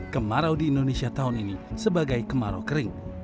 kemarau di indonesia tahun ini sebagai kemarau kering